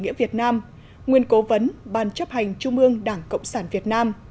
nguyên ủy viên bộ chính trị nguyên cố vấn ban chấp hành trung ương đảng cộng sản việt nam